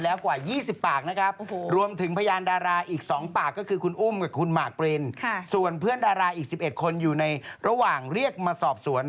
แล้วก็ขนาดนี้พนักงานสอบสวน